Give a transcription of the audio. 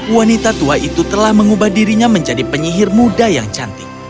wanita tua itu telah mengubah dirinya menjadi penyihir muda yang cantik